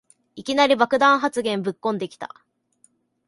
いきなり爆弾発言ぶっこんできた